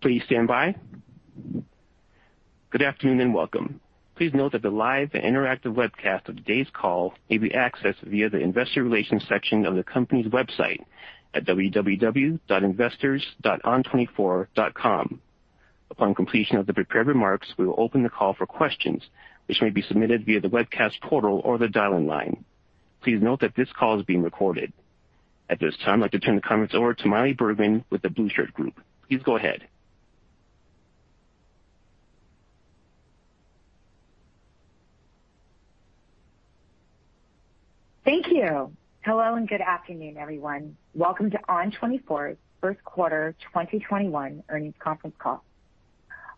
Please standby. Good afternoon, and welcome. Please note that the live interactive webcast of today's call may be accessed via the investor relations section of the company's website at www.investors.on24.com. Upon completion of the prepared remarks, we will open the call for questions, which may be submitted via the webcast portal or the dial-in line. Please note that this call is being recorded. At this time, I'd like to turn the comments over to Maile Bergman with The Blueshirt Group. Please go ahead. Thank you. Hello, and good afternoon, everyone. Welcome to ON24's first quarter 2021 earnings conference call.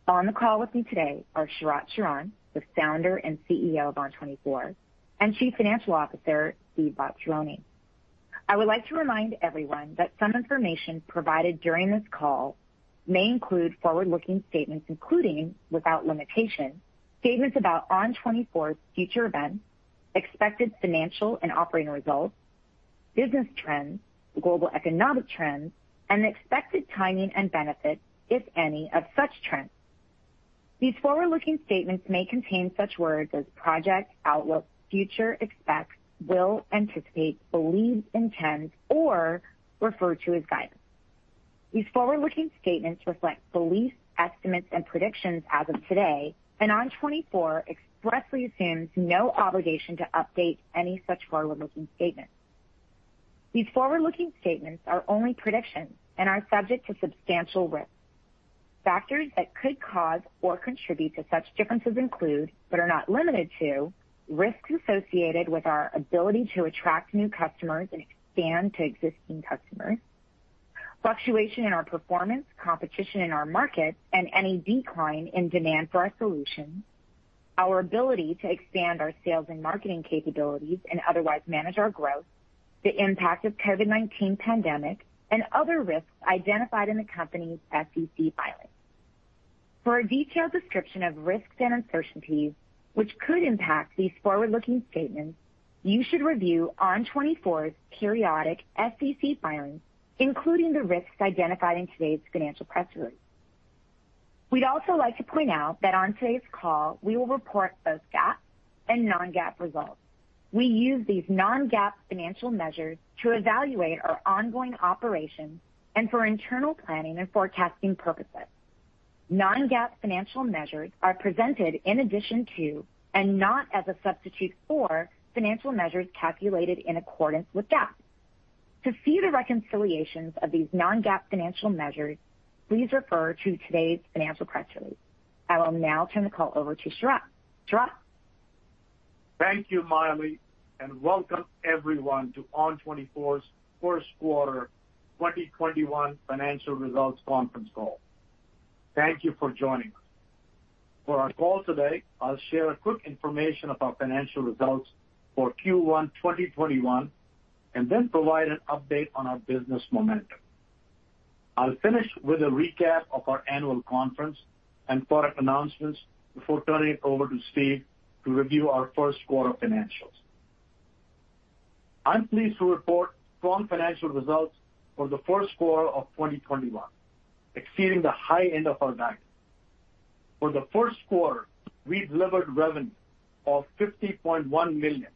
On the call with me today are Sharat Sharan, the founder and CEO of ON24, and Chief Financial Officer, Steve Vattuone. I would like to remind everyone that some information provided during this call may include forward-looking statements, including, without limitation, statements about ON24's future events, expected financial and operating results, business trends, global economic trends, and the expected timing and benefit, if any, of such trends. These forward-looking statements may contain such words as project, outlook, future, expect, will, anticipate, believe, intend, or refer to as guidance. These forward-looking statements reflect beliefs, estimates, and predictions as of today, and ON24 expressly assumes no obligation to update any such forward-looking statements. These forward-looking statements are only predictions and are subject to substantial risks. Factors that could cause or contribute to such differences include, but are not limited to, risks associated with our ability to attract new customers and expand to existing customers, fluctuation in our performance, competition in our market, and any decline in demand for our solutions, our ability to expand our sales and marketing capabilities and otherwise manage our growth, the impact of COVID-19 pandemic, and other risks identified in the company's SEC filings. For a detailed description of risks and uncertainties which could impact these forward-looking statements, you should review ON24's periodic SEC filings, including the risks identified in today's financial press release. We'd also like to point out that on today's call, we will report both GAAP and non-GAAP results. We use these non-GAAP financial measures to evaluate our ongoing operations and for internal planning and forecasting purposes. Non-GAAP financial measures are presented in addition to, and not as a substitute for, financial measures calculated in accordance with GAAP. To see the reconciliations of these non-GAAP financial measures, please refer to today's financial press release. I will now turn the call over to Sharat. Sharat? Thank you, Maile, and welcome, everyone, to ON24's first quarter 2021 financial results conference call. Thank you for joining us. For our call today, I'll share a quick information of our financial results for Q1 2021 and then provide an update on our business momentum. I'll finish with a recap of our annual conference and product announcements before turning it over to Steve to review our first quarter financials. I'm pleased to report strong financial results for the first quarter of 2021, exceeding the high end of our guidance. For the first quarter, we delivered revenue of $50.1 million,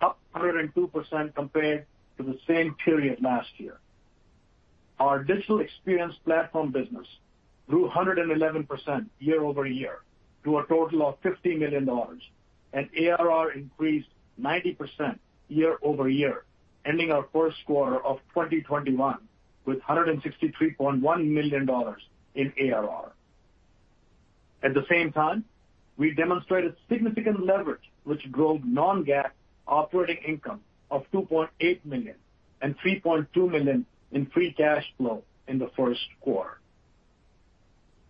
up 102% compared to the same period last year. Our digital experience platform business grew 111% year-over-year to a total of $50 million, and ARR increased 90% year-over-year, ending our first quarter of 2021 with $163.1 million in ARR. At the same time, we demonstrated significant leverage, which drove non-GAAP operating income of $2.8 million and $3.2 million in free cash flow in the first quarter.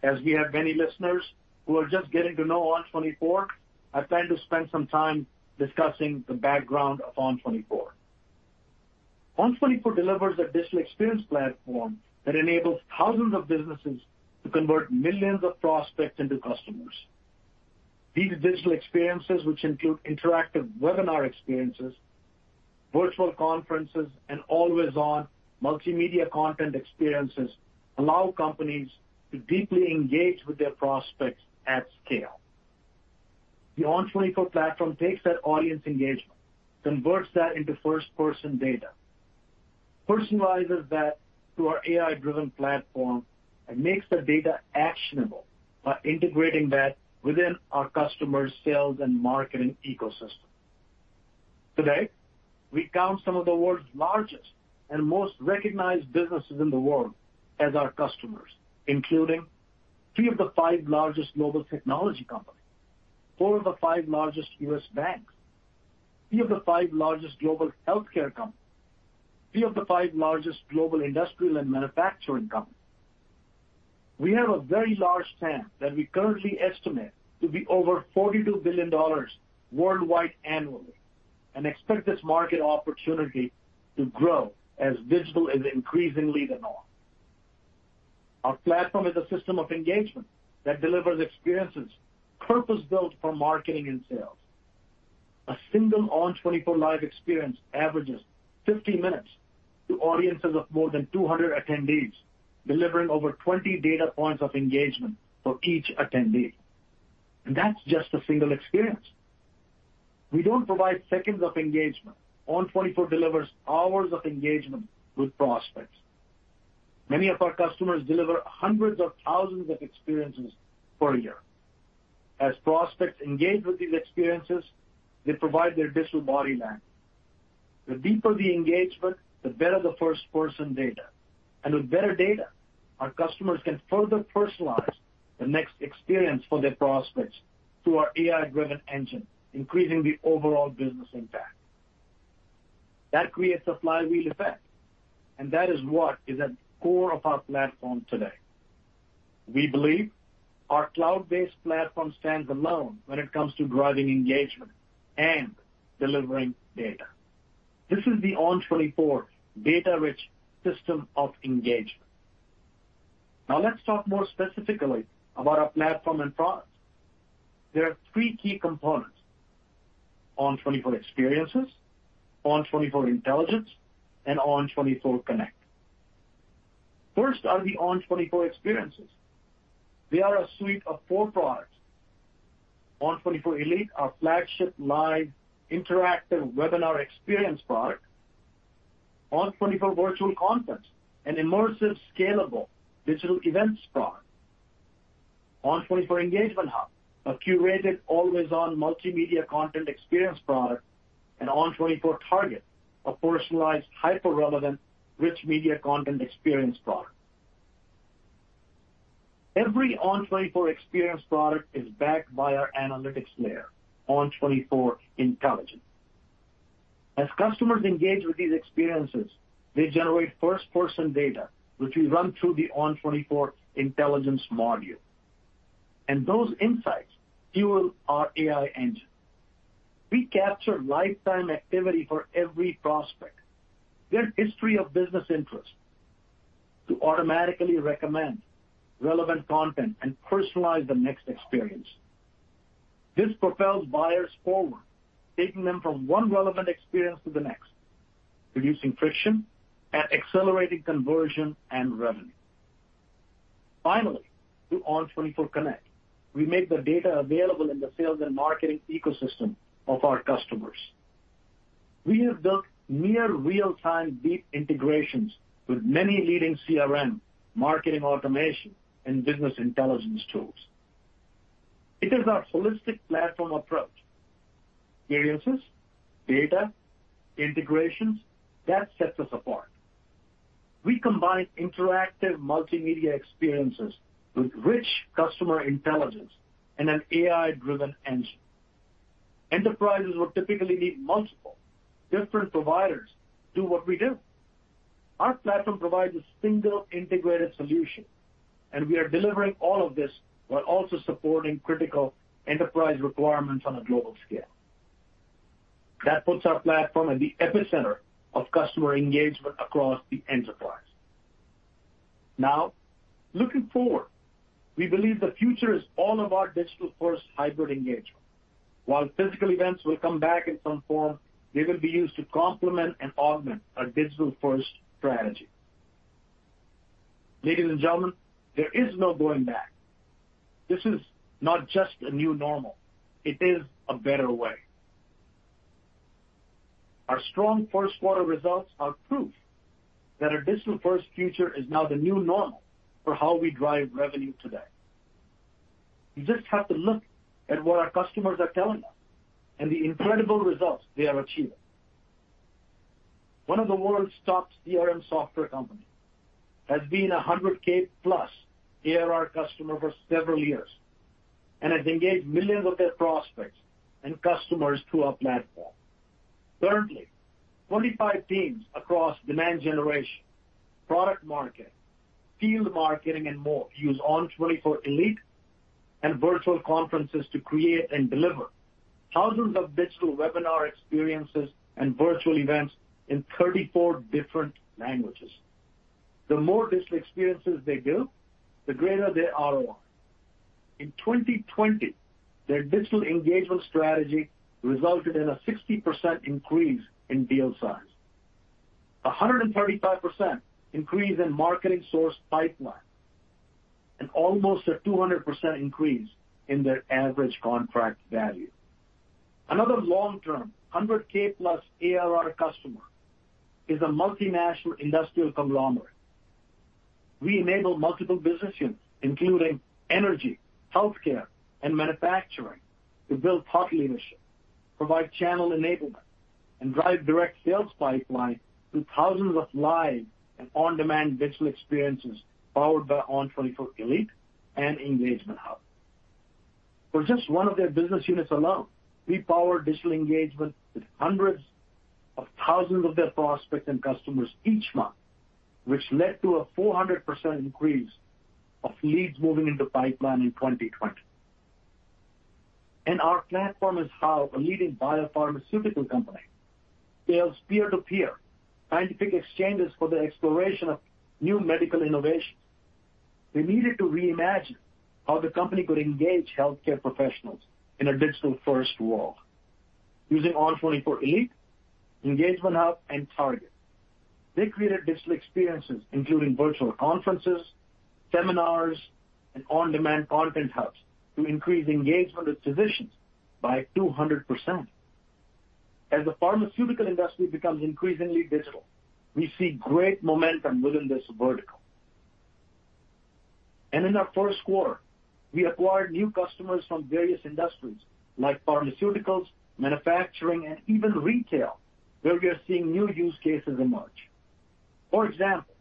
As we have many listeners who are just getting to know ON24, I plan to spend some time discussing the background of ON24. ON24 delivers a digital experience platform that enables thousands of businesses to convert millions of prospects into customers. These digital experiences, which include interactive webinar experiences, virtual conferences, and always-on multimedia content experiences, allow companies to deeply engage with their prospects at scale. The ON24 platform takes that audience engagement, converts that into first-person data, personalizes that through our AI-driven platform, and makes the data actionable by integrating that within our customers' sales and marketing ecosystem. Today, we count some of the world's largest and most recognized businesses in the world as our customers, including three of the five largest global technology companies, four of the five largest U.S. banks, three of the five largest global healthcare companies, three of the five largest global industrial and manufacturing companies. We have a very large TAM that we currently estimate to be over $42 billion worldwide annually and expect this market opportunity to grow as digital is increasingly the norm. Our platform is a system of engagement that delivers experiences purpose-built for marketing and sales. A single ON24 live experience averages 50 minutes to audiences of more than 200 attendees, delivering over 20 data points of engagement for each attendee. That's just a single experience. We don't provide seconds of engagement. ON24 delivers hours of engagement with prospects. Many of our customers deliver hundreds of thousands of experiences per year. As prospects engage with these experiences, they provide their digital body language. The deeper the engagement, the better the first-person data. With better data, our customers can further personalize the next experience for their prospects through our AI-driven engine, increasing the overall business impact. That creates a flywheel effect, and that is what is at the core of our platform today. We believe our cloud-based platform stands alone when it comes to driving engagement and delivering data. This is the ON24 data-rich system of engagement. Now, let's talk more specifically about our platform and products. There are three key components, ON24 Experiences, ON24 Intelligence, and ON24 Connect. First are the ON24 Experiences. They are a suite of four products. ON24 Webcast Elite, our flagship live interactive webinar experience product. ON24 Virtual Conference, an immersive, scalable digital events product. ON24 Engagement Hub, a curated always-on multimedia content experience product. ON24 Target, a personalized, hyper-relevant, rich media content experience product. Every ON24 Experience product is backed by our analytics layer, ON24 Intelligence. As customers engage with these experiences, they generate first-person data, which we run through the ON24 Intelligence module. Those insights fuel our AI engine. We capture lifetime activity for every prospect, their history of business interest, to automatically recommend relevant content and personalize the next experience. This propels buyers forward, taking them from one relevant experience to the next, reducing friction and accelerating conversion and revenue. Finally, to ON24 Connect. We make the data available in the sales and marketing ecosystem of our customers. We have built near real-time deep integrations with many leading CRM, marketing automation, and business intelligence tools. It is our holistic platform approach, experiences, data, integrations, that sets us apart. We combine interactive multimedia experiences with rich customer intelligence and an AI-driven engine. Enterprises would typically need multiple different providers to do what we do. Our platform provides a single integrated solution. We are delivering all of this while also supporting critical enterprise requirements on a global scale. That puts our platform at the epicenter of customer engagement across the enterprise. Now, looking forward, we believe the future is all of our digital-first hybrid engagement. While physical events will come back in some form, they will be used to complement and augment a digital-first strategy. Ladies and gentlemen, there is no going back. This is not just a new normal. It is a better way. Our strong first-quarter results are proof that our digital-first future is now the new normal for how we drive revenue today. You just have to look at what our customers are telling us and the incredible results they are achieving. One of the world's top CRM software companies has been a $100,000+ ARR customer for several years and has engaged millions of their prospects and customers through our platform. Currently, 25 teams across demand generation, product marketing, field marketing, and more use ON24 Elite and Virtual Conferences to create and deliver thousands of digital webinar experiences and virtual events in 34 different languages. The more digital experiences they build, the greater their ROI. In 2020, their digital engagement strategy resulted in a 60% increase in deal size, 135% increase in marketing source pipeline, and almost a 200% increase in their average contract value. Another long-term $100,000+ ARR customer is a multinational industrial conglomerate. We enable multiple business units, including energy, healthcare, and manufacturing, to build thought leadership, provide channel enablement, and drive direct sales pipeline through 1,000 of live and on-demand digital experiences powered by ON24 Elite and Engagement Hub. For just one of their business units alone, we power digital engagement with hundreds of thousands of their prospects and customers each month, which led to a 400% increase of leads moving into pipeline in 2020. Our platform is how a leading biopharmaceutical company builds peer-to-peer scientific exchanges for the exploration of new medical innovation. We needed to reimagine how the company could engage healthcare professionals in a digital-first world. Using ON24 Elite, Engagement Hub, and Target, they created digital experiences, including virtual conferences, seminars, and on-demand content hubs to increase engagement with physicians by 200%. As the pharmaceutical industry becomes increasingly digital, we see great momentum within this vertical. In our first quarter, we acquired new customers from various industries like pharmaceuticals, manufacturing, and even retail, where we are seeing new use cases emerge. For example,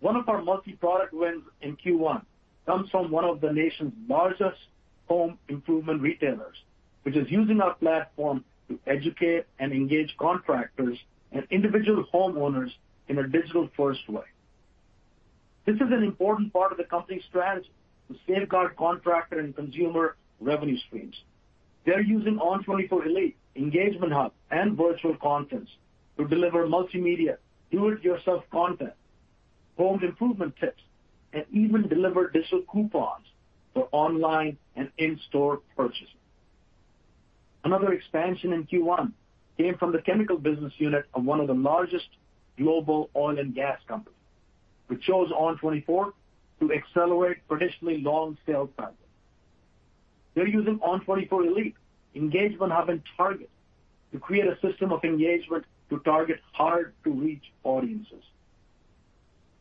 one of our multi-product wins in Q1 comes from one of the nation's largest home improvement retailers, which is using our platform to educate and engage contractors and individual homeowners in a digital-first way. This is an important part of the company's strategy to safeguard contractor and consumer revenue streams. They're using ON24 Webcast Elite, ON24 Engagement Hub, and ON24 Virtual Conference to deliver multimedia, do-it-yourself content, home improvement tips, and even deliver digital coupons for online and in-store purchases. Another expansion in Q1 came from the chemical business unit of one of the largest global oil and gas companies, which chose ON24 to accelerate traditionally long sales cycles. They're using ON24 Elite, Engagement Hub, and Target to create a system of engagement to target hard-to-reach audiences.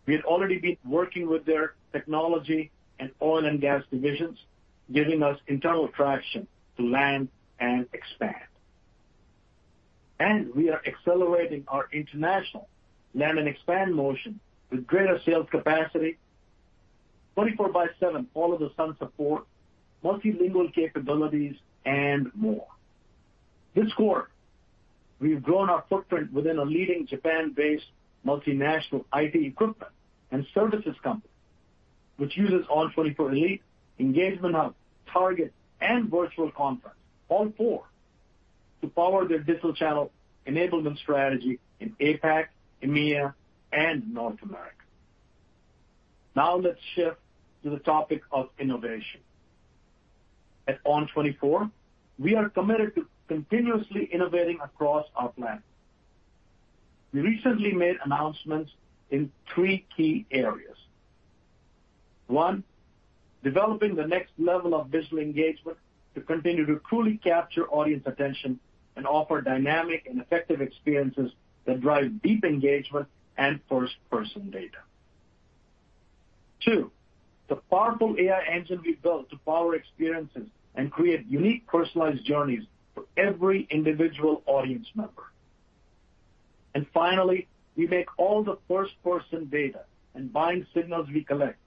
We had already been working with their technology and oil and gas divisions, giving us internal traction to land and expand. We are accelerating our international land and expand motion with greater sales capacity, 24 by seven follow-the-sun support, multilingual capabilities, and more. This quarter, we've grown our footprint within a leading Japan-based multinational IT equipment and services company, which uses ON24 Elite, Engagement Hub, Target, and Virtual Conference, all four, to power their digital channel enablement strategy in APAC, EMEA, and North America. Now let's shift to the topic of innovation. At ON24, we are committed to continuously innovating across our platform. We recently made announcements in three key areas. One, developing the next level of digital engagement to continue to truly capture audience attention and offer dynamic and effective experiences that drive deep engagement and first-person data. Two, the powerful AI engine we built to power experiences and create unique, personalized journeys for every individual audience member. Finally, we make all the first-person data and buying signals we collect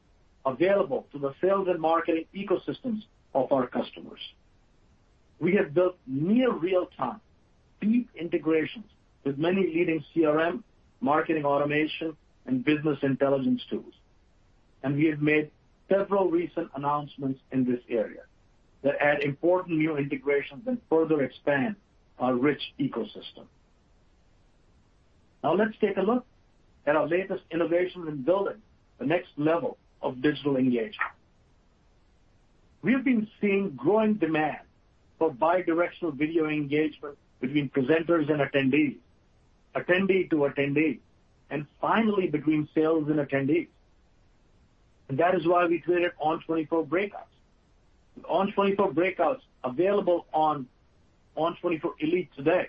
available to the sales and marketing ecosystems of our customers. We have built near real-time, deep integrations with many leading CRM, marketing automation, and business intelligence tools, and we have made several recent announcements in this area that add important new integrations and further expand our rich ecosystem. Now let's take a look at our latest innovations in building the next level of digital engagement. We've been seeing growing demand for bi-directional video engagement between presenters and attendees, attendee to attendee, and finally, between sales and attendees. That is why we created ON24 Breakouts. With ON24 Breakouts available on ON24 Elite today,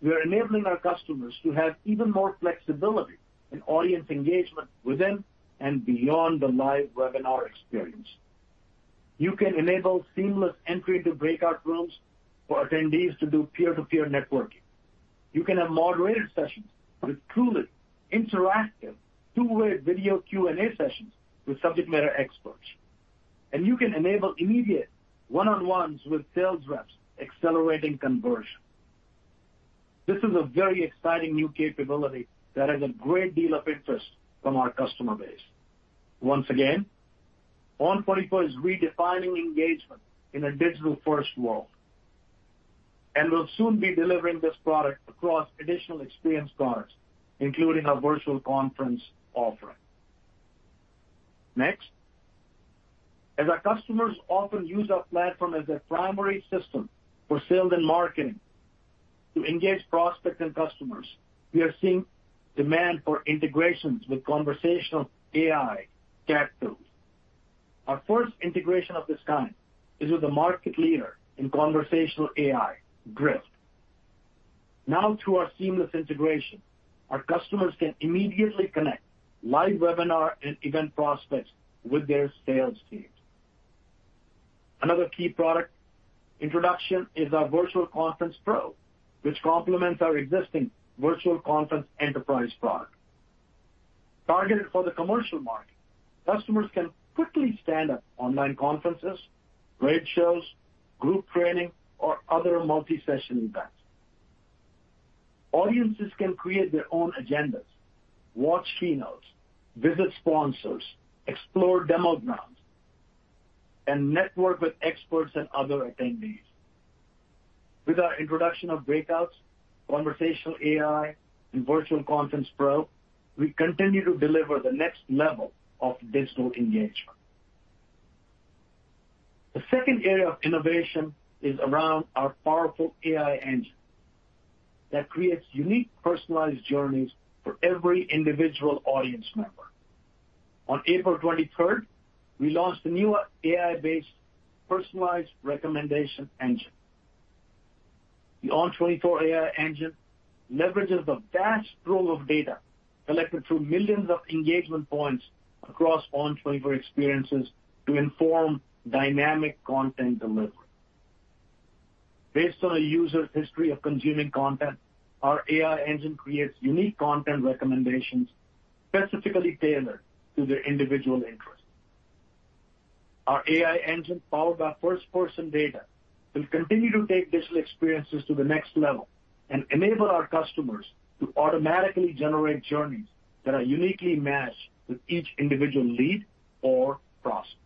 we are enabling our customers to have even more flexibility in audience engagement within and beyond the live webinar experience. You can enable seamless entry into breakout rooms for attendees to do peer-to-peer networking. You can have moderated sessions with truly interactive two-way video Q&A sessions with subject matter experts, and you can enable immediate one-on-ones with sales reps, accelerating conversion. This is a very exciting new capability that has a great deal of interest from our customer base. Once again, ON24 is redefining engagement in a digital-first world, and we'll soon be delivering this product across additional experience products, including our Virtual Conference offering. As our customers often use our platform as their primary system for sales and marketing to engage prospects and customers, we are seeing demand for integrations with conversational AI chat tools. Our first integration of this kind is with a market leader in conversational AI, Drift. Through our seamless integration, our customers can immediately connect live webinar and event prospects with their sales teams. Another key product introduction is our ON24 Virtual Conference Pro, which complements our existing ON24 Virtual Conference Enterprise product. Targeted for the commercial market, customers can quickly stand up online conferences, trade shows, group training, or other multi-session events. Audiences can create their own agendas, watch keynotes, visit sponsors, explore demo grounds and network with experts and other attendees. With our introduction of ON24 Breakouts, conversational AI, and ON24 Virtual Conference Pro, we continue to deliver the next level of digital engagement. The second area of innovation is around our powerful AI engine that creates unique personalized journeys for every individual audience member. On April 23rd, we launched a new AI-based personalized recommendation engine. The ON24 AI engine leverages the vast trove of data collected through millions of engagement points across ON24 Experiences to inform dynamic content delivery. Based on a user's history of consuming content, our AI engine creates unique content recommendations specifically tailored to their individual interests. Our AI engine, powered by first-person data, will continue to take digital experiences to the next level and enable our customers to automatically generate journeys that are uniquely matched with each individual lead or prospect.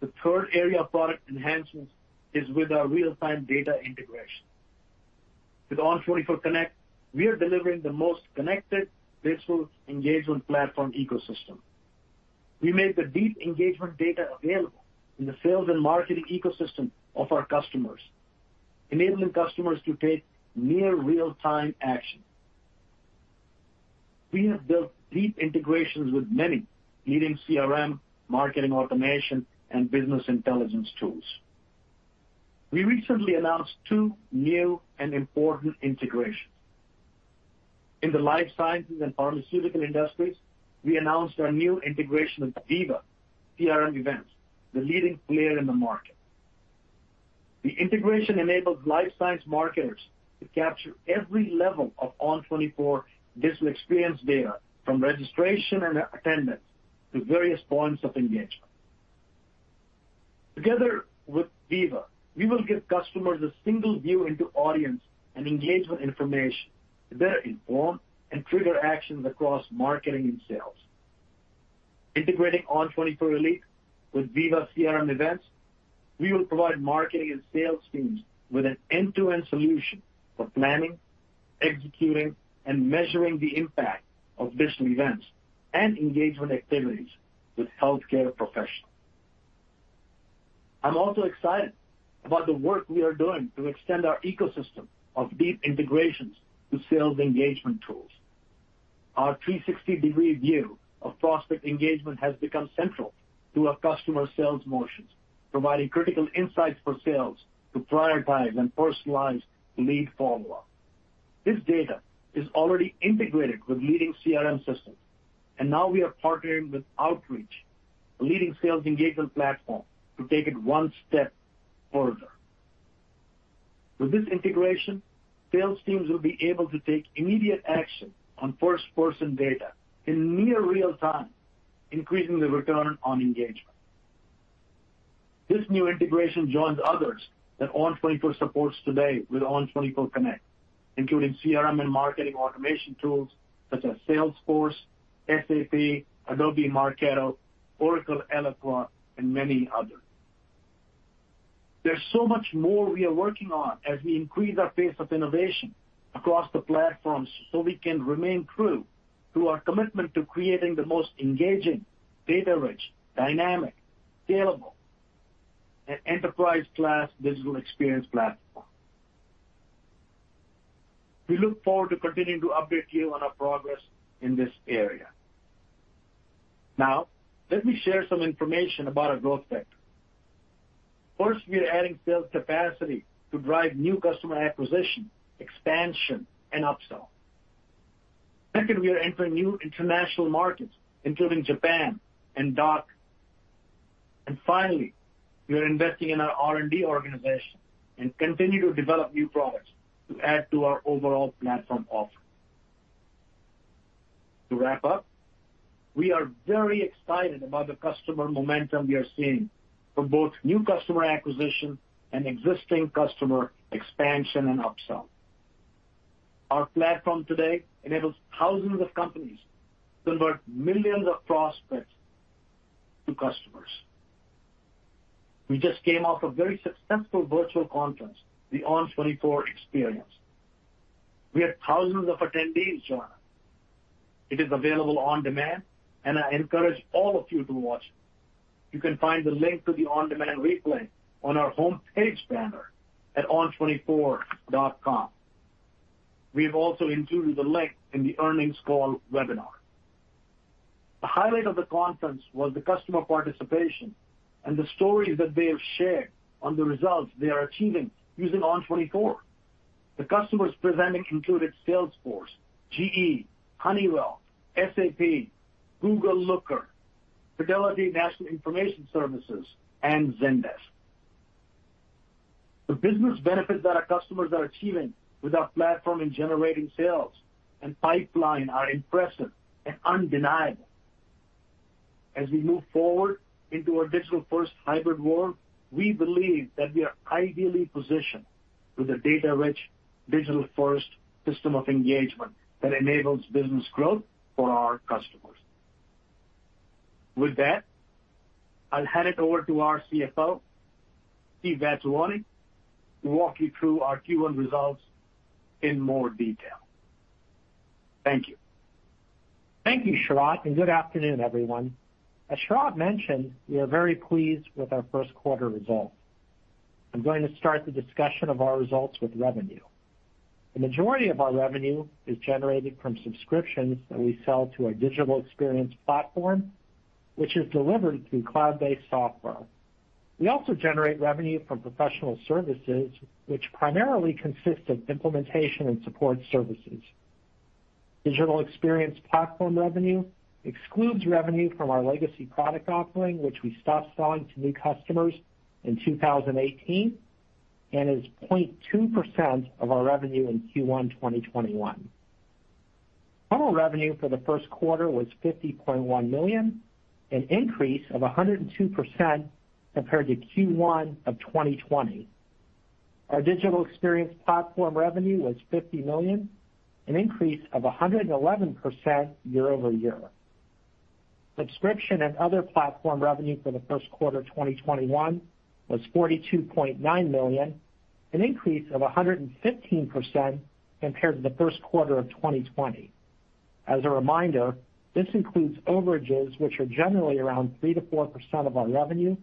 The third area of product enhancements is with our real-time data integration. With ON24 Connect, we are delivering the most connected digital engagement platform ecosystem. We make the deep engagement data available in the sales and marketing ecosystem of our customers, enabling customers to take near real-time action. We have built deep integrations with many leading CRM, marketing automation, and business intelligence tools. We recently announced two new and important integrations. In the life sciences and pharmaceutical industries, we announced our new integration with Veeva CRM Events, the leading player in the market. The integration enables life science marketers to capture every level of ON24 digital experience data, from registration and attendance to various points of engagement. Together with Veeva, we will give customers a single view into audience and engagement information to better inform and trigger actions across marketing and sales. Integrating ON24 Webcast Elite with Veeva CRM Events Management, we will provide marketing and sales teams with an end-to-end solution for planning, executing, and measuring the impact of digital events and engagement activities with healthcare professionals. I'm also excited about the work we are doing to extend our ecosystem of deep integrations to sales engagement tools. Our 360-degree view of prospect engagement has become central to our customer sales motions, providing critical insights for sales to prioritize and personalize lead follow-up. This data is already integrated with leading CRM systems. Now we are partnering with Outreach, a leading sales engagement platform, to take it one step further. With this integration, sales teams will be able to take immediate action on first-person data in near real time, increasing the return on engagement. This new integration joins others that ON24 supports today with ON24 Connect, including CRM and marketing automation tools such as Salesforce, SAP, Adobe Marketo, Oracle Eloqua, and many others. There's so much more we are working on as we increase our pace of innovation across the platforms so we can remain true to our commitment to creating the most engaging, data-rich, dynamic, scalable, and enterprise-class digital experience platform. We look forward to continuing to update you on our progress in this area. Now, let me share some information about our growth vector. First, we are adding sales capacity to drive new customer acquisition, expansion, and upsell. Second, we are entering new international markets, including Japan and DACH. Finally, we are investing in our R&D organization and continue to develop new products to add to our overall platform offering. To wrap up, we are very excited about the customer momentum we are seeing from both new customer acquisition and existing customer expansion and upsell. Our platform today enables thousands of companies to convert millions of prospects to customers. We just came off a very successful virtual conference, the ON24 Experience. We had thousands of attendees join us. It is available on demand, and I encourage all of you to watch it. You can find the link to the on-demand replay on our homepage banner at on24.com. We have also included the link in the earnings call webinar. The highlight of the conference was the customer participation and the stories that they have shared on the results they are achieving using ON24. The customers presenting included Salesforce, GE, Honeywell, SAP, Google Looker, Fidelity National Information Services, and Zendesk. The business benefits that our customers are achieving with our platform in generating sales and pipeline are impressive and undeniable. As we move forward into our digital-first hybrid world, we believe that we are ideally positioned with a data-rich, digital-first system of engagement that enables business growth for our customers. With that, I'll hand it over to our CFO, Steve Vattuone, to walk you through our Q1 results in more detail. Thank you. Thank you, Sharat, good afternoon, everyone. As Sharat mentioned, we are very pleased with our first quarter results. I'm going to start the discussion of our results with revenue. The majority of our revenue is generated from subscriptions that we sell to our Digital Experience Platform, which is delivered through cloud-based software. We also generate revenue from professional services, which primarily consist of implementation and support services. Digital Experience Platform revenue excludes revenue from our legacy product offering, which we stopped selling to new customers in 2018, and is 0.2% of our revenue in Q1 2021. Total revenue for the first quarter was $50.1 million, an increase of 102% compared to Q1 2020. Our Digital Experience Platform revenue was $50 million, an increase of 111% year-over-year. Subscription and other platform revenue for the first quarter 2021 was $42.9 million, an increase of 115% compared to the first quarter of 2020. As a reminder, this includes overages, which are generally around 3%-4% of our revenue,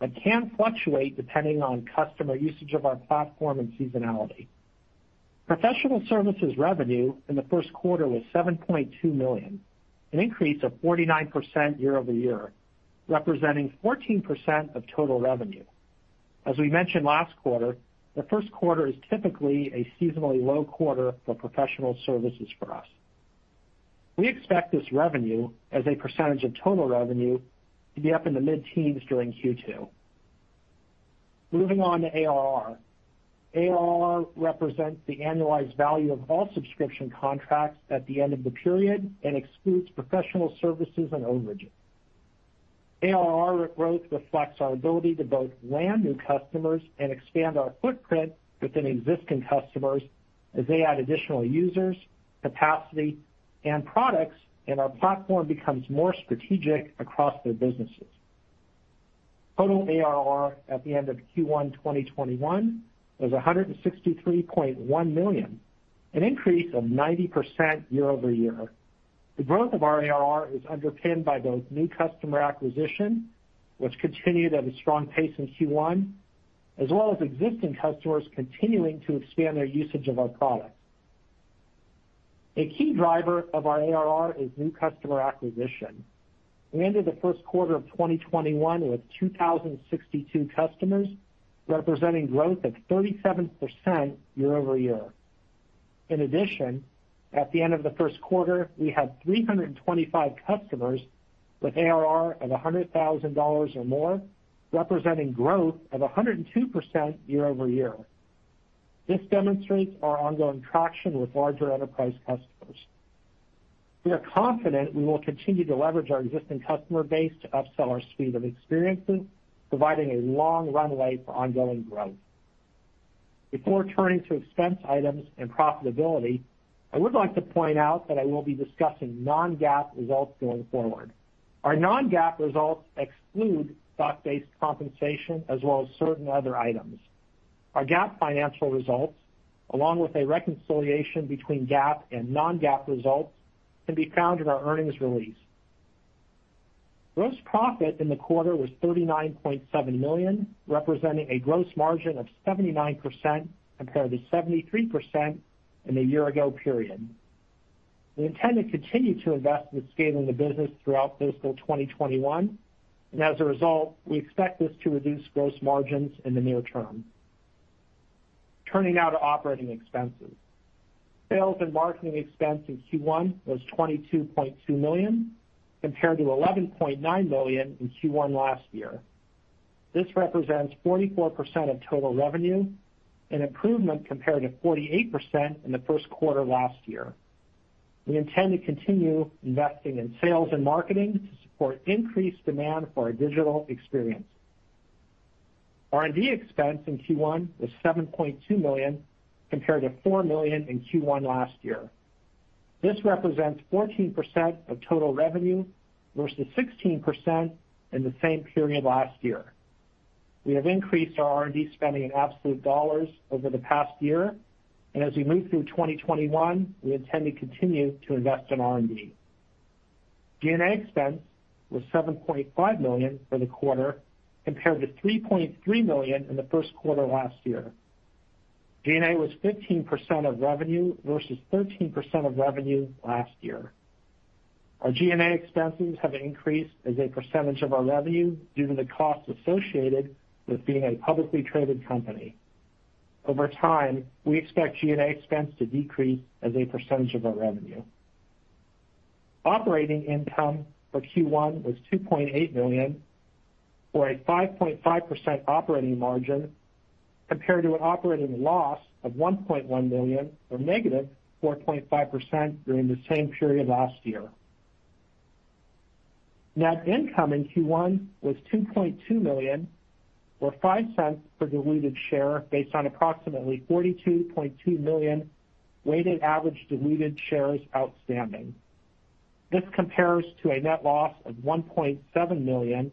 but can fluctuate depending on customer usage of our platform and seasonality. Professional services revenue in the first quarter was $7.2 million, an increase of 49% year-over-year, representing 14% of total revenue. As we mentioned last quarter, the first quarter is typically a seasonally low quarter for professional services for us. We expect this revenue as a percentage of total revenue to be up in the mid-teens during Q2. Moving on to ARR. ARR represents the annualized value of all subscription contracts at the end of the period and excludes professional services and overages. ARR growth reflects our ability to both land new customers and expand our footprint within existing customers as they add additional users, capacity, and products, and our platform becomes more strategic across their businesses. Total ARR at the end of Q1 2021 was $163.1 million, an increase of 90% year-over-year. The growth of our ARR is underpinned by both new customer acquisition, which continued at a strong pace in Q1, as well as existing customers continuing to expand their usage of our products. A key driver of our ARR is new customer acquisition. We ended the first quarter of 2021 with 2,062 customers, representing growth of 37% year-over-year. In addition, at the end of the first quarter, we had 325 customers with ARR of $100,000 or more, representing growth of 102% year-over-year. This demonstrates our ongoing traction with larger enterprise customers. We are confident we will continue to leverage our existing customer base to upsell our suite of experiences, providing a long runway for ongoing growth. Before turning to expense items and profitability, I would like to point out that I will be discussing non-GAAP results going forward. Our non-GAAP results exclude stock-based compensation as well as certain other items. Our GAAP financial results, along with a reconciliation between GAAP and non-GAAP results, can be found in our earnings release. Gross profit in the quarter was $39.7 million, representing a gross margin of 79% compared to 73% in the year-ago period. We intend to continue to invest in scaling the business throughout fiscal 2021, and as a result, we expect this to reduce gross margins in the near term. Turning now to operating expenses. Sales and marketing expense in Q1 was $22.2 million, compared to $11.9 million in Q1 last year. This represents 44% of total revenue, an improvement compared to 48% in the first quarter last year. We intend to continue investing in sales and marketing to support increased demand for our digital experience. R&D expense in Q1 was $7.2 million, compared to $4 million in Q1 last year. This represents 14% of total revenue versus 16% in the same period last year. We have increased our R&D spending in absolute dollars over the past year, and as we move through 2021, we intend to continue to invest in R&D. G&A expense was $7.5 million for the quarter, compared to $3.3 million in the first quarter last year. G&A was 15% of revenue versus 13% of revenue last year. Our G&A expenses have increased as a percentage of our revenue due to the costs associated with being a publicly traded company. Over time, we expect G&A expense to decrease as a percentage of our revenue. Operating income for Q1 was $2.8 million, or a 5.5% operating margin, compared to an operating loss of $1.1 million, or -4.5%, during the same period last year. Net income in Q1 was $2.2 million, or $0.05 per diluted share, based on approximately $42.2 million weighted average diluted shares outstanding. This compares to a net loss of $1.7 million,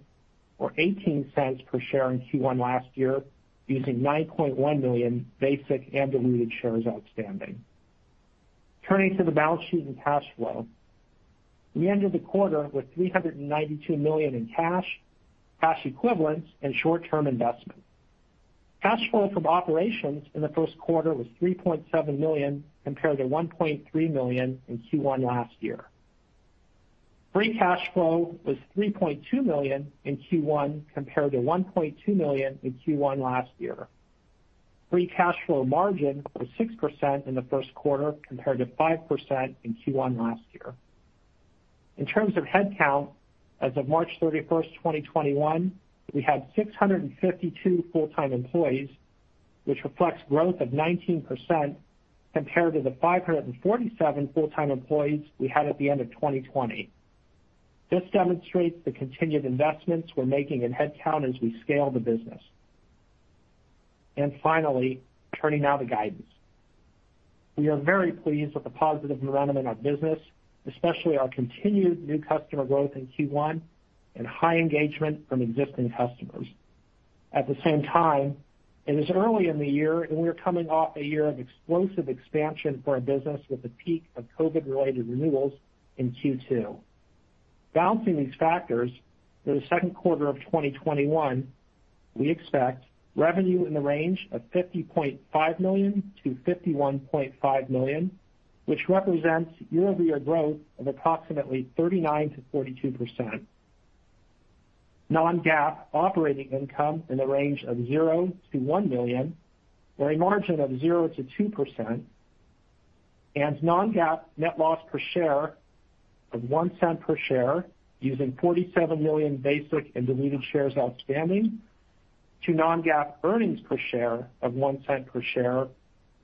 or $0.18 per share in Q1 last year, using $9.1 million basic and diluted shares outstanding. Turning to the balance sheet and cash flow. We ended the quarter with $392 million in cash equivalents, and short-term investments. Cash flow from operations in the first quarter was $3.7 million, compared to $1.3 million in Q1 last year. Free cash flow was $3.2 million in Q1, compared to $1.2 million in Q1 last year. Free cash flow margin was 6% in the first quarter, compared to 5% in Q1 last year. In terms of head count, as of March 31st, 2021, we had 652 full-time employees, which reflects growth of 19%, compared to the 547 full-time employees we had at the end of 2020. This demonstrates the continued investments we're making in head count as we scale the business. Finally, turning now to guidance. We are very pleased with the positive momentum in our business, especially our continued new customer growth in Q1 and high engagement from existing customers. At the same time, it is early in the year, and we are coming off a year of explosive expansion for our business with a peak of COVID-related renewals in Q2. Balancing these factors, for the second quarter of 2021, we expect revenue in the range of $50.5 million-$51.5 million, which represents year-over-year growth of approximately 39%-42%. Non-GAAP operating income in the range of $0-$1 million, or a margin of 0%-2%, and non-GAAP net loss per share of $0.01 per share using $47 million basic and diluted shares outstanding to non-GAAP earnings per share of $0.01 per share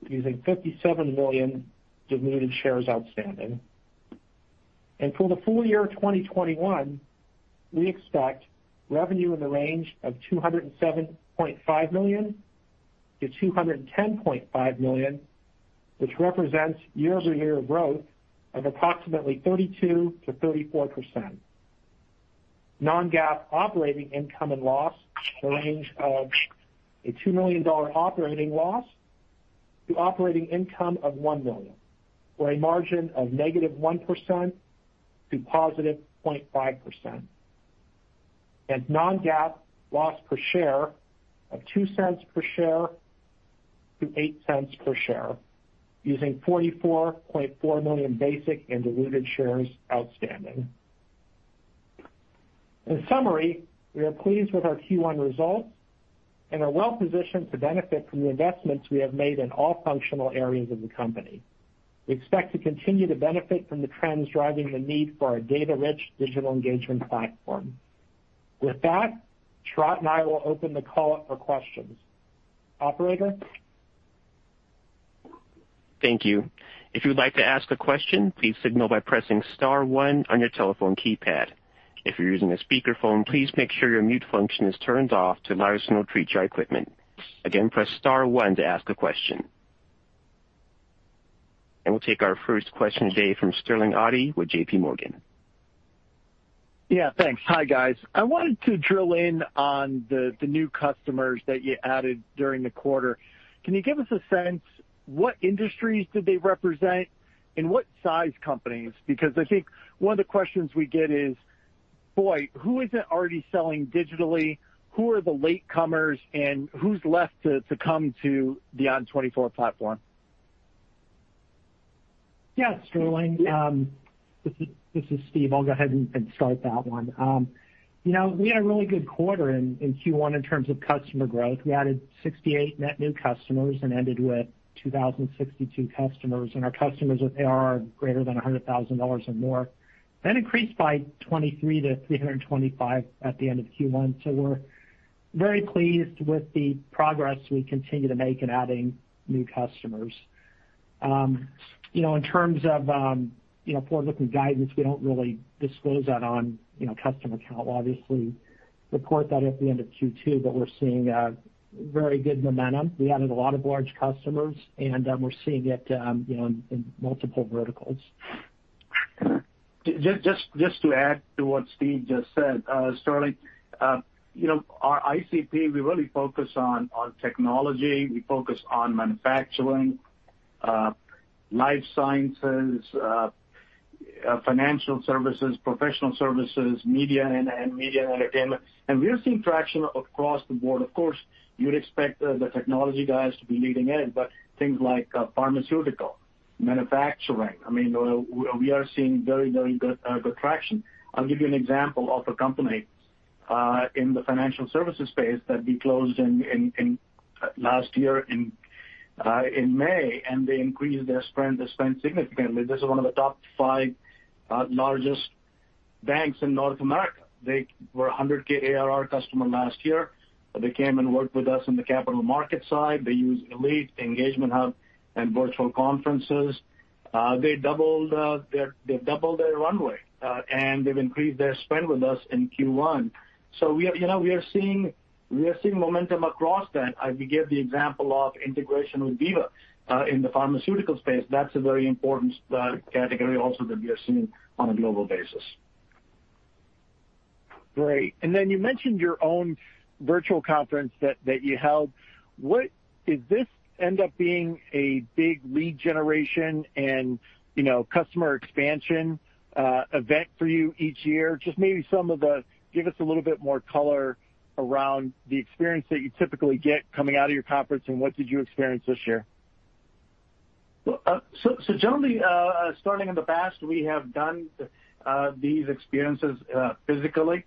using $57 million diluted shares outstanding. For the full year 2021, we expect revenue in the range of $207.5 million-$210.5 million, which represents year-over-year growth of approximately 32%-34%. Non-GAAP operating income and loss in the range of a $2 million operating loss to operating income of $1 million, or a margin of -1% to +0.5%. Non-GAAP loss per share of $0.02 per share to $0.08 per share using $44.4 million basic and diluted shares outstanding. In summary, we are pleased with our Q1 results and are well-positioned to benefit from the investments we have made in all functional areas of the company. We expect to continue to benefit from the trends driving the need for our data-rich digital engagement platform. With that, Sharat and I will open the call up for questions. Operator? Thank you. If you would like to ask a question, please signal by pressing star one on your telephone keypad. If you're using a speakerphone, please make sure your mute function is turned off to allow us to know to retriage equipment. Again, press star one to ask a question. We'll take our first question today from Sterling Auty with J.P. Morgan. Yeah, thanks. Hi, guys. I wanted to drill in on the new customers that you added during the quarter. Can you give us a sense, what industries did they represent, and what size companies? Because I think one of the questions we get is, boy, who isn't already selling digitally? Who are the latecomers, and who's left to come to the ON24 platform? Yeah, Sterling. This is Steve. I'll go ahead and start that one. We had a really good quarter in Q1 in terms of customer growth. We added 68 net new customers and ended with 2,062 customers, and our customers with ARR greater than $100,000 or more. That increased by 23 to 325 at the end of Q1. We're very pleased with the progress we continue to make in adding new customers. In terms of forward-looking guidance, we don't really disclose that on customer count. We'll obviously report that at the end of Q2, we're seeing very good momentum. We added a lot of large customers, we're seeing it in multiple verticals. Just to add to what Steve just said, Sterling, you know, our ICP, we really focus on technology. We focus on manufacturing, life sciences, financial services, professional services, media, and media and entertainment. We are seeing traction across the board. Of course, you would expect the technology guys to be leading it, but things like pharmaceutical, manufacturing. I mean we are seeing very good traction. I'll give you an example of a company in the financial services space that we closed last year in May, and they increased their spend significantly. This is one of the top five largest banks in North America. They were a $100K ARR customer last year. They came and worked with us on the capital markets side. They use Elite, Engagement Hub, and Virtual Conferences. They doubled their runway, and they've increased their spend with us in Q1. We are seeing momentum across that. I gave the example of integration with Veeva in the pharmaceutical space. That's a very important category also that we are seeing on a global basis. Great. Then ,you mentioned your own virtual conference that you held. Did this end up being a big lead generation and customer expansion event for you each year? Just maybe give us a little bit more color around the experience that you typically get coming out of your conference, and what did you experience this year? Generally, starting in the past, we have done these experiences physically,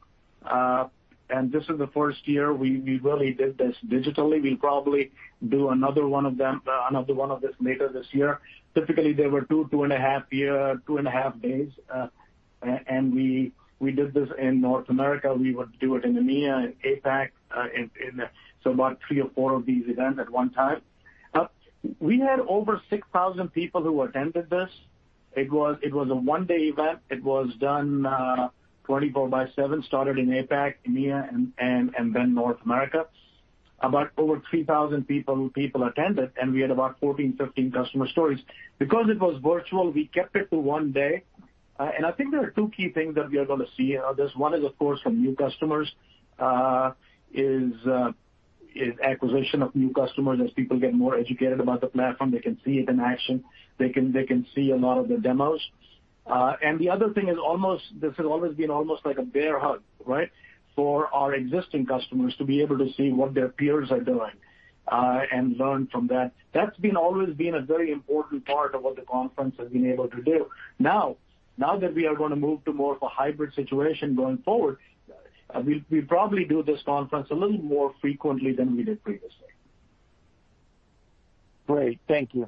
and this is the first year we really did this digitally. We'll probably do another one of this later this year. Typically, they were two and a half days, and we did this in North America. We would do it in EMEA and APAC, about three or four of these events at one time. We had over 6,000 people who attended this. It was a one-day event. It was done 24 by seven, started in APAC, EMEA, and then North America. About over 3,000 people attended, and we had about 14 customer to 15 customer stories. Because it was virtual, we kept it to one day. I think there are two key things that we are going to see out of this. One is, of course, from new customers, is acquisition of new customers. As people get more educated about the platform, they can see it in action. They can see a lot of the demos. The other thing is, this has always been almost like a bear hug, right, for our existing customers to be able to see what their peers are doing, and learn from that. That's always been a very important part of what the conference has been able to do. Now that we are going to move to more of a hybrid situation going forward, we'll probably do this conference a little more frequently than we did previously. Great. Thank you.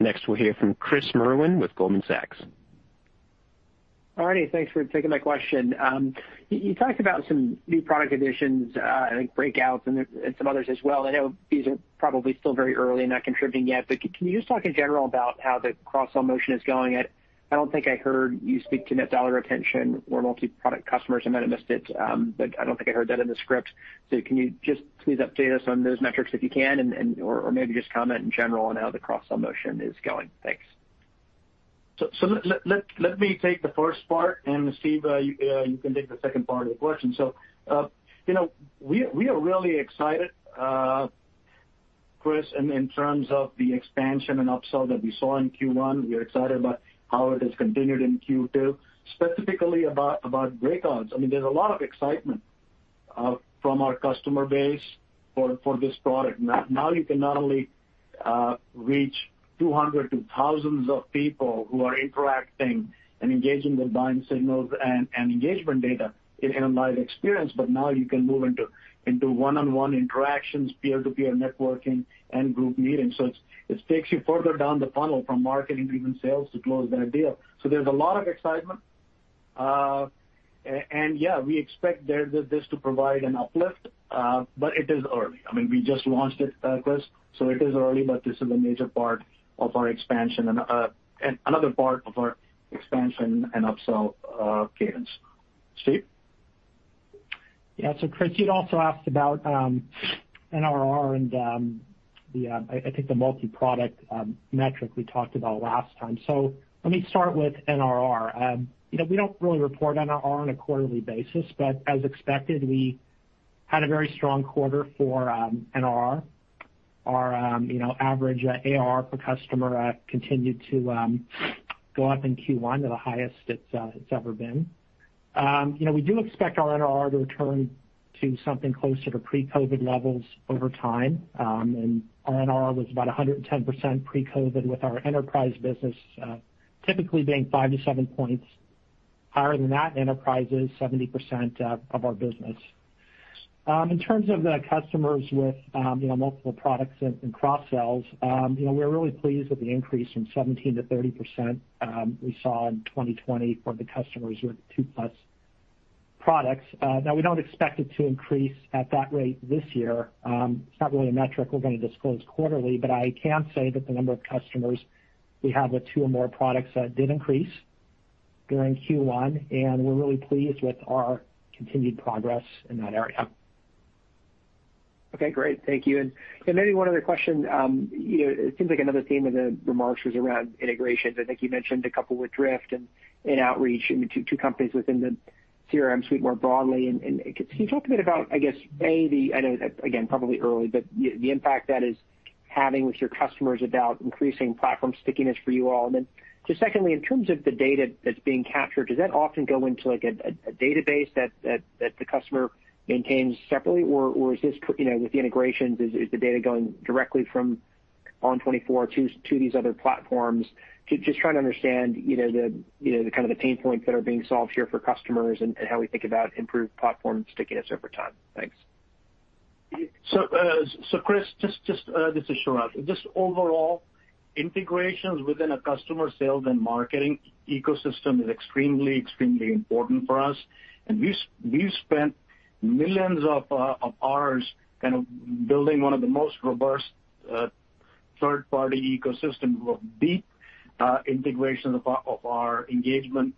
Next, we'll hear from Chris Merwin with Goldman Sachs. All right. Thanks for taking my question. You talked about some new product additions, like Breakouts and some others as well. I know these are probably still very early and not contributing yet, but can you just talk in general about how the cross-sell motion is going? I don't think I heard you speak to net dollar retention or multi-product customers. I might have missed it, but I don't think I heard that in the script, so can you just please update us on those metrics if you can? Or maybe just comment in general on how the cross-sell motion is going. Thanks. Let me take the first part, and Steve, you can take the second part of the question. We are really excited, Chris, in terms of the expansion and upsell that we saw in Q1. We are excited about how it has continued in Q2, specifically about Breakouts. There's a lot of excitement from our customer base for this product. Now you can not only reach 200 to thousands of people who are interacting and engaging with buying signals and engagement data in a live experience, but now you can move into one-on-one interactions, peer-to-peer networking, and group meetings. It takes you further down the funnel from marketing to even sales to close that deal. There's a lot of excitement. We expect this to provide an uplift. It is early. We just launched it, Chris, so it is early, but this is a major part of our expansion and another part of our expansion and upsell cadence. Steve? Chris, you'd also asked about NRR and I think the multi-product metric we talked about last time. Let me start with NRR. We don't really report NRR on a quarterly basis, but as expected, we had a very strong quarter for NRR. Our average ARR per customer continued to go up in Q1 to the highest it's ever been. We do expect our NRR to return to something closer to pre-COVID levels over time. NRR was about 110% pre-COVID, with our enterprise business typically being 5 points to 7 points higher than that. Enterprise is 70% of our business. In terms of the customers with multiple products and cross-sells, we're really pleased with the increase from 17%-30% we saw in 2020 from the customers with 2+ products. We don't expect it to increase at that rate this year. It's not really a metric we're going to disclose quarterly. I can say that the number of customers we have with two or more products did increase during Q1. We're really pleased with our continued progress in that area. Okay, great. Thank you. Maybe one other question. It seems like another theme in the remarks was around integrations. I think you mentioned a couple with Drift and Outreach, two companies within the CRM suite more broadly. Can you talk a bit about the impact that is having with your customers about increasing platform stickiness for you all? Secondly, in terms of the data that's being captured, does that often go into a database that the customer maintains separately, or is this, with the integrations, the data going directly from ON24 to these other platforms? Just trying to understand the pain points that are being solved here for customers and how we think about improved platform stickiness over time. Thanks. Chris, this is Sharat. Just overall, integrations within a customer sales and marketing ecosystem is extremely important for us. We've spent millions of hours building one of the most robust third-party ecosystems with deep integration of our engagement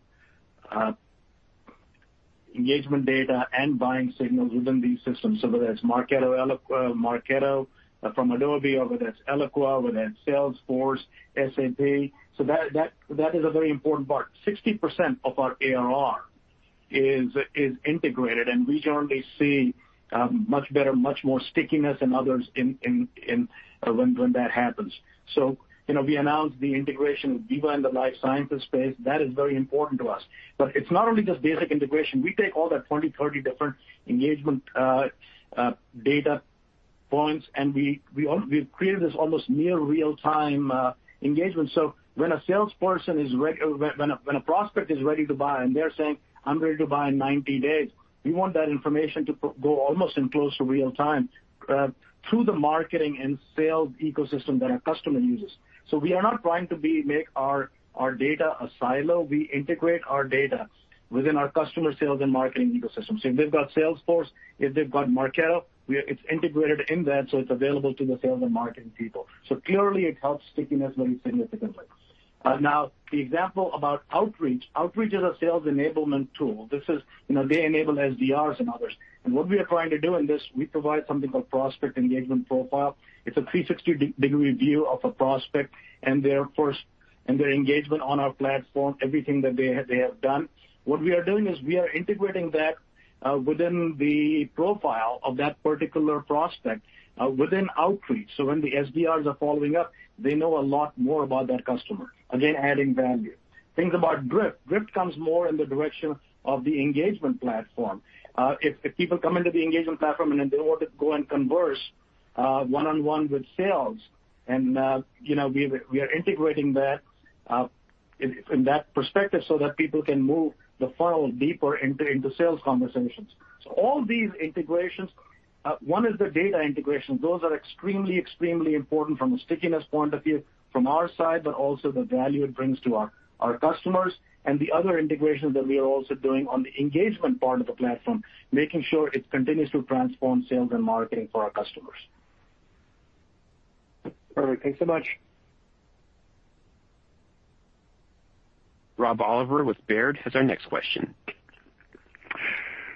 data and buying signals within these systems. Whether that's Marketo from Adobe, or whether that's Eloqua, whether that's Salesforce, SAP. That is a very important part. 60% of our ARR is integrated, and we generally see much better, much more stickiness than others when that happens. We announced the integration with Veeva in the life sciences space. That is very important to us. It's not only just basic integration. We take all that 20-30 different engagement data points, we've created this almost near real-time engagement. When a prospect is ready to buy, and they're saying, "I'm ready to buy in 90 days," we want that information to go almost in close to real-time through the marketing and sales ecosystem that our customer uses. We are not trying to make our data a silo. We integrate our data within our customer sales and marketing ecosystem. If they've got Salesforce, if they've got Marketo, it's integrated in that, so it's available to the sales and marketing people. Clearly it helps stickiness very significantly. But now, the example about Outreach. Outreach is a sales enablement tool. They enable SDRs and others. What we are trying to do in this, we provide something called Prospect Engagement Profile. It's a 360-degree view of a prospect and their engagement on our platform, everything that they have done. What we are doing is we are integrating that within the profile of that particular prospect within Outreach. When the SDRs are following up, they know a lot more about that customer, again, adding value. Things about Drift. Drift comes more in the direction of the engagement platform. If people come into the engagement platform and then they want to go and converse one-on-one with sales, and we are integrating that from that perspective so that people can move the funnel deeper into sales conversations. All these integrations. One is the data integration. Those are extremely important from a stickiness point of view from our side, but also the value it brings to our customers. The other integration that we are also doing on the engagement part of the platform, making sure it continues to transform sales and marketing for our customers. Perfect. Thanks so much. Rob Oliver with Baird has our next question.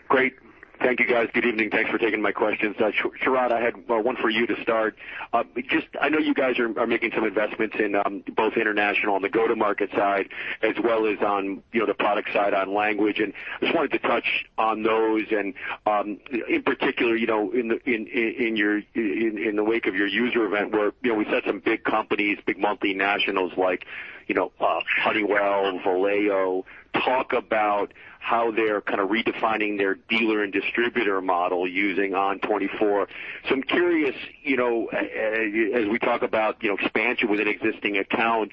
Great. Thank you, guys. Good evening. Thanks for taking my questions. Sharat, I had one for you to start. I know you guys are making some investments in both international on the go-to-market side, as well as on the product side on language. Just wanted to touch on those and, in particular, in the wake of your user event where we've had some big companies, big multinationals like Honeywell, Valeo, talk about how they're kind of redefining their dealer and distributor model using ON24. I'm curious, as we talk about expansion within existing accounts,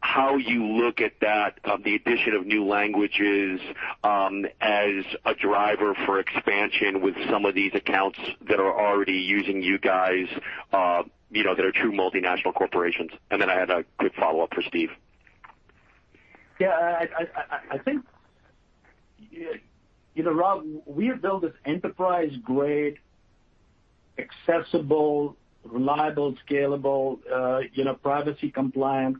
how you look at that, the addition of new languages, as a driver for expansion with some of these accounts that are already using you guys, that are true multinational corporations. I had a quick follow-up for Steve. I think, you know Rob, we have built this enterprise-grade, accessible, reliable, scalable, privacy compliant,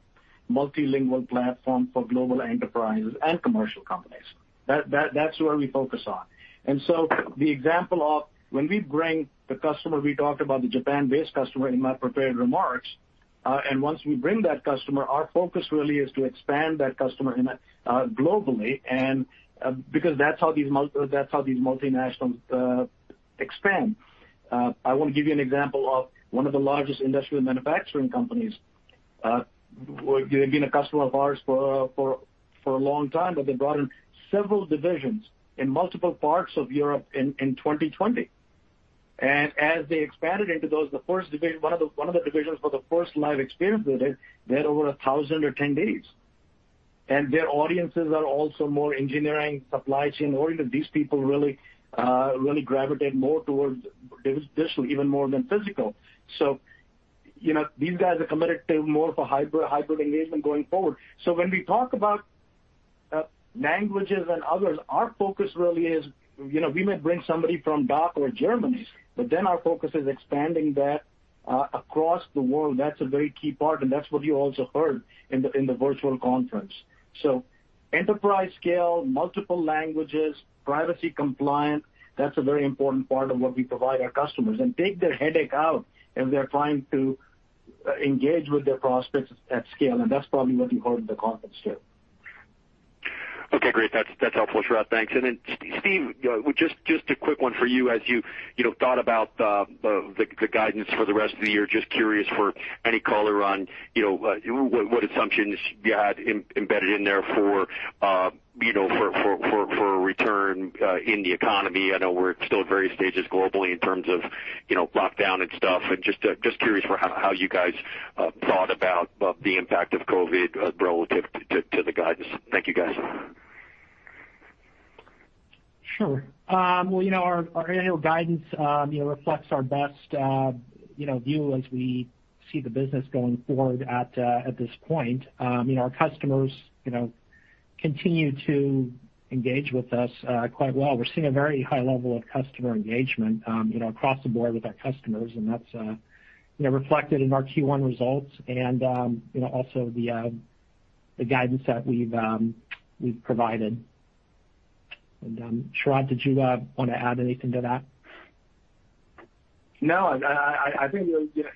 multilingual platform for global enterprises and commercial companies. That's where we focus on. The example of when we bring the customer, we talked about the Japan-based customer in my prepared remarks. Once we bring that customer, our focus really is to expand that customer globally, because that's how these multinationals expand. I want to give you an example of one of the largest industrial manufacturing companies. They've been a customer of ours for a long time, they brought in several divisions in multiple parts of Europe in 2020. As they expanded into those, one of the divisions for the first live experience they did, they had over 1,000 attendees. Their audiences are also more engineering, supply chain oriented. These people really gravitate more towards digital, even more than physical. So these guys are committed to more of a hybrid engagement going forward. When we talk about languages and others, our focus really is, we may bring somebody from DACH or Germany, but then our focus is expanding that across the world. That's a very key part, and that's what you also heard in the virtual conference. Enterprise scale, multiple languages, privacy compliant, that's a very important part of what we provide our customers and take their headache out as they're trying to engage with their prospects at scale. That's probably what you heard in the conference, too. Okay, great. That's helpful, Sharat. Thanks. Then Steve, just a quick one for you as you thought about the guidance for the rest of the year, just curious for any color on what assumptions you had embedded in there for a return in the economy. I know we're still at various stages globally in terms of lockdown and stuff, and just curious for how you guys thought about the impact of COVID-19 relative to the guidance. Thank you, guys. Sure. Well, our annual guidance reflects our best view as we see the business going forward at this point. Our customers continue to engage with us quite well. We're seeing a very high level of customer engagement across the board with our customers, and that's reflected in our Q1 results and also the guidance that we've provided. Sharat, did you want to add anything to that? No. I think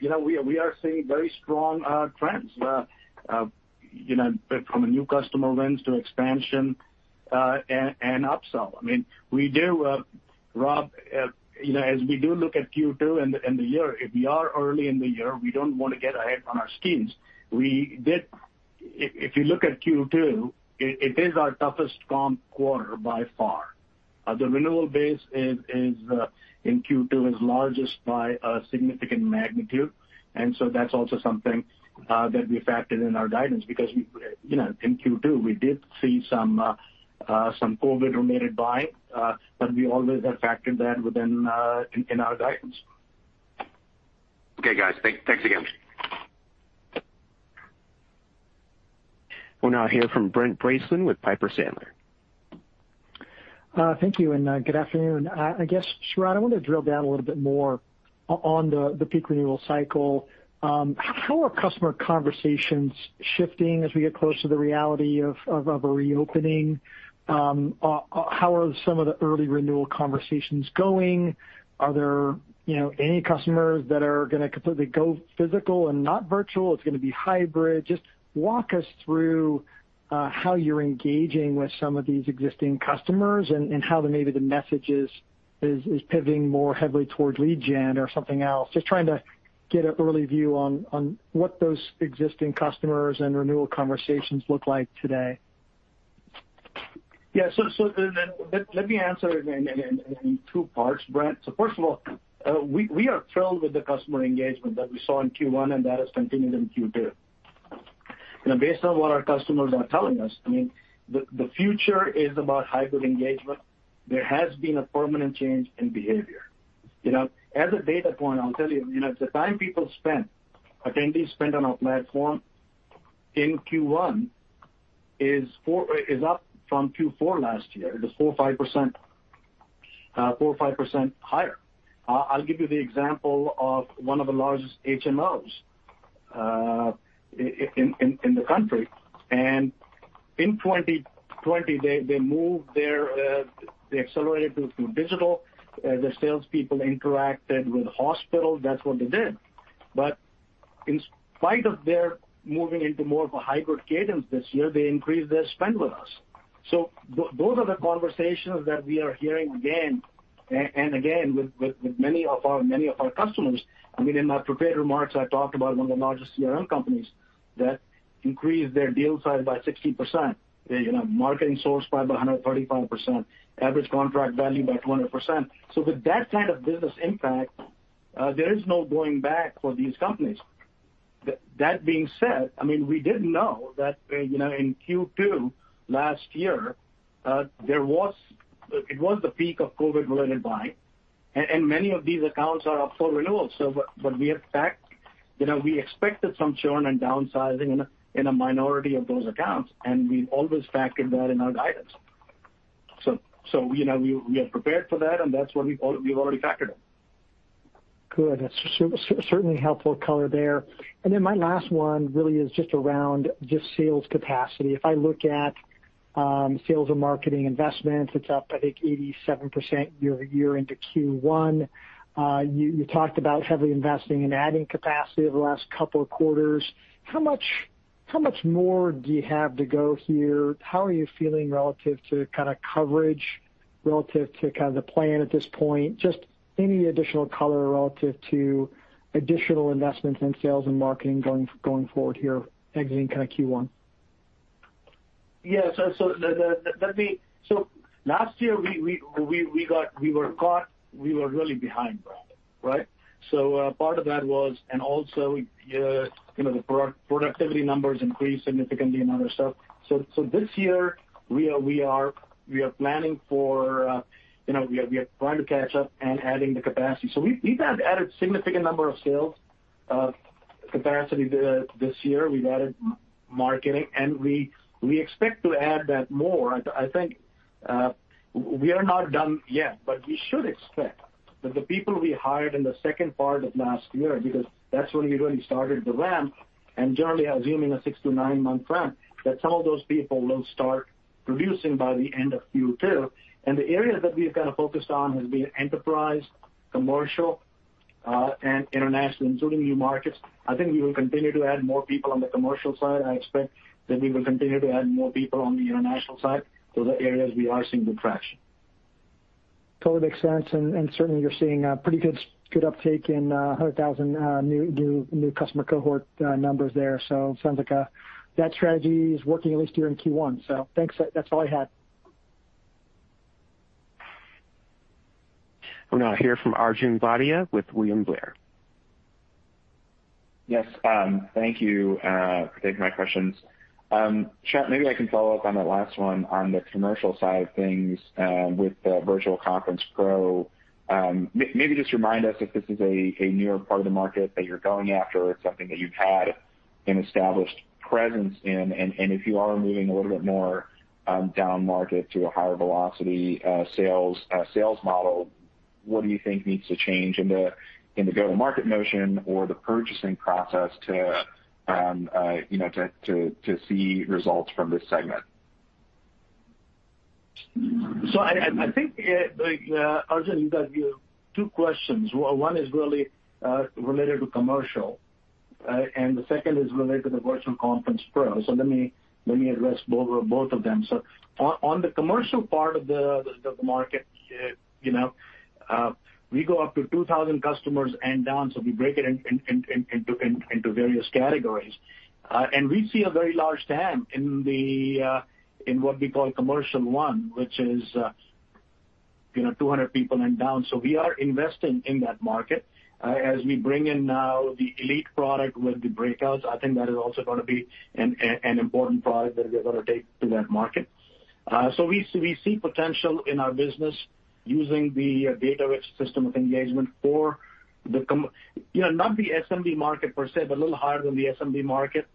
we are seeing very strong trends, from a new customer lens to expansion and upsell. We do, Rob, as we do look at Q2 and the year, if we are early in the year, we don't want to get ahead on our guidance. If you look at Q2, it is our toughest comp quarter by far. The renewal base in Q2 is largest by a significant magnitude, and so that's also something that we factored in our guidance because in Q2, we did see some COVID-related buying, but we always have factored that within our guidance. Okay, guys. Thanks again. We'll now hear from Brent Bracelin with Piper Sandler. Thank you, and good afternoon. I guess, Sharat, I wanted to drill down a little bit more on the peak renewal cycle. How are customer conversations shifting as we get close to the reality of a reopening? How are some of the early renewal conversations going? Are there any customers that are going to completely go physical and not virtual? It's going to be hybrid. Just walk us through how you're engaging with some of these existing customers and how maybe the message is pivoting more heavily toward lead gen or something else. Just trying to get an early view on what those existing customers and renewal conversations look like today. Yeah. Let me answer it in two parts, Brent. So first of all, we are thrilled with the customer engagement that we saw in Q1, and that has continued in Q2. Based on what our customers are telling us, the future is about hybrid engagement. There has been a permanent change in behavior. As a data point, I'll tell you, the time attendees spend on our platform in Q1 is up from Q4 last year. It is 4% or 5% higher. I'll give you the example of one of the largest HMOs in the country. In 2020, they accelerated to digital. The salespeople interacted with hospitals. That's what they did. In spite of their moving into more of a hybrid cadence this year, they increased their spend with us. Those are the conversations that we are hearing again and again with many of our customers. In my prepared remarks, I talked about one of the largest CRM companies that increased their deal size by 60%, their marketing source by 135%, average contract value by 200%. With that kind of business impact, there is no going back for these companies. That being said, we did know that in Q2 last year, it was the peak of COVID-related buying, and many of these accounts are up for renewal. What we expect, we expected some churn and downsizing in a minority of those accounts, and we've always factored that in our guidance. So, we are prepared for that, and that's what we've already factored in. Good. That's certainly helpful color there. My last one really is just around just sales capacity. If I look at sales and marketing investments, it's up, I think, 87% year-over-year into Q1. You talked about heavily investing in adding capacity over the last couple of quarters. How much more do you have to go here? How are you feeling relative to kind of coverage, relative to kind of the plan at this point? Just any additional color relative to additional investments in sales and marketing going forward here exiting kind of Q1. Yeah. Last year we were really behind, Brent, right? Also, the productivity numbers increased significantly and other stuff. This year we are trying to catch up and adding the capacity. We've had added significant number of sales capacity this year. We've added marketing, and we expect to add that more. I think we are not done yet, but we should expect that the people we hired in the second part of last year, because that's when we really started the ramp, and generally, I was aiming a six month to nine month ramp, that some of those people will start producing by the end of Q2. The areas that we've kind of focused on has been enterprise, commercial, and international, including new markets. I think we will continue to add more people on the commercial side. I expect that we will continue to add more people on the international side. Those are areas we are seeing good traction. Totally makes sense. Certainly, you're seeing a pretty good uptake in 100,000 new customer cohort numbers there. Sounds like that strategy is working at least here in Q1. Thanks. That's all I had. We'll now hear from Arjun Bhatia with William Blair. Yes. Thank you for taking my questions. Sharat, maybe I can follow up on that last one on the commercial side of things with the Virtual Conference Pro. Maybe just remind us if this is a newer part of the market that you're going after or something that you've had an established presence in. If you are moving a little bit more down market to a higher velocity sales model, what do you think needs to change in the go-to-market motion or the purchasing process to see results from this segment? I think, Arjun, you've got two questions. One is really related to commercial, and the second is related to the Virtual Conference Pro. Let me address both of them. On the commercial part of the market, we go up to 2,000 customers and down. We break it into various categories. We see a very large TAM in what we call Commercial 1, which is 200 people and down. We are investing in that market. As we bring in now the Elite product with the Breakouts, I think that is also going to be an important product that we are going to take to that market. We see potential in our business using the data-rich system of engagement for not the SMB market per se, but a little higher than the SMB market.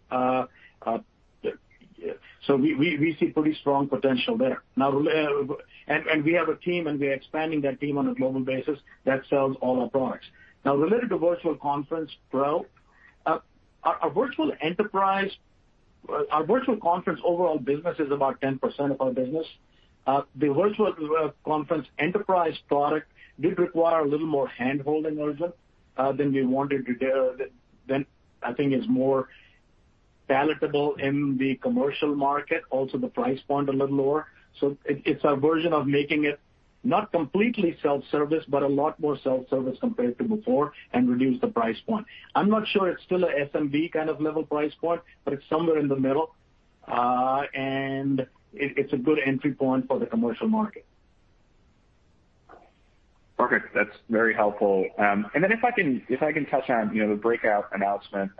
So we see pretty strong potential there. We have a team, and we are expanding that team on a global basis that sells all our products. Related to Virtual Conference Pro, our Virtual Conference overall business is about 10% of our business. The Virtual Conference Enterprise product did require a little more handholding, Arjun, than I think is more palatable in the commercial market. The price point a little lower. It's our version of making it not completely self-service, but a lot more self-service compared to before and reduce the price point. I'm not sure it's still a SMB kind of level price point, but it's somewhere in the middle. It's a good entry point for the commercial market. Okay, that's very helpful. If I can touch on the Breakout announcement,